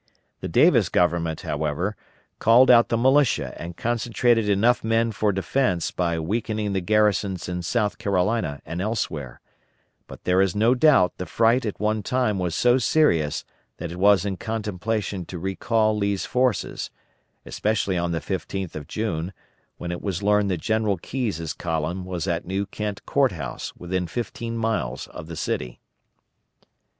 The Davis Government, however, called out the militia and concentrated enough men for defence by weakening the garrisons in South Carolina and elsewhere; but there is no doubt the fright at one time was so serious that it was in contemplation to recall Lee's forces; especially on the 15th of June, when it was learned that General Keyes' column was at New Kent Court House within fifteen miles of the city.